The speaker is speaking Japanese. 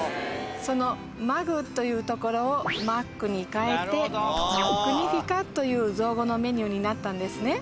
そのマグというところをマックに変えてマックニフィカという造語のメニューになったんですね